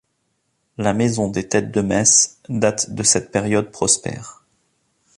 La maison des Têtes de Metz date de cette période prospère.